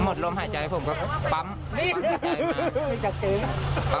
หมดลมหายใจผมก็ปั๊มหัวใจมา